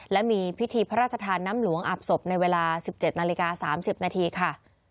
และมีพิธีพระราชทานน้ำหลวงอาบศพในเวลา๑๗นาฬิกา๓๐นาทีค่ะ